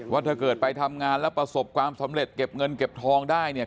ว่าถ้าเกิดไปทำงานแล้วประสบความสำเร็จเก็บเงินเก็บทองได้เนี่ย